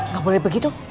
gak boleh begitu